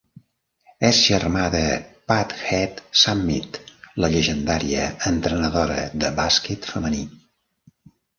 És germà de Pat Head Summitt, la llegendària entrenadora de bàsquet femení.